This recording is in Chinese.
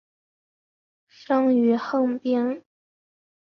生于横滨。